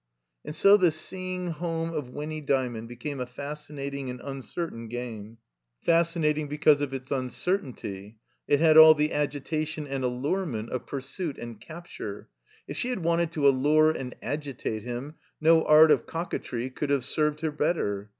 And so the seeing home of Winny Djrmond became a fascinating and uncertain game, fascinating because of its uncertainty ; it had all the agitation and allure ment of pursuit and capture; if she had wanted to allure and agitate him, no art of cock a tree " could have served her better.